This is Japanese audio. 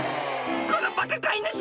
「このバカ飼い主！